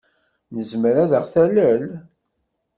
Tezmer ad aɣ-talel?